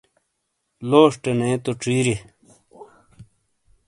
لوݜٹے نے تو ڇیریے!